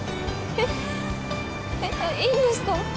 えっえっいいんですか？